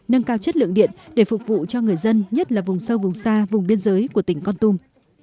nâng cao chất lượng điện để phục vụ cho người dân nhất là vùng sâu vùng xa vùng biên giới của tỉnh con tum